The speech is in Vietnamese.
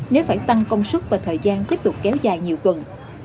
nếu phải tăng công suất và thời gian tiếp tục kéo dài nhiều tuần